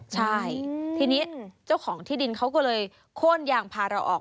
ใช่ทีนี้เจ้าของที่ดินเขาก็เลยโค้นยางพาเราออก